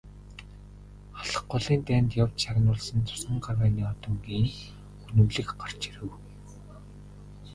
Халх голын дайнд явж шагнуулсан цусан гавьяаны одонгийн нь үнэмлэх гарч ирэв.